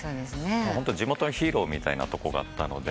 ホント地元のヒーローみたいなとこがあったので。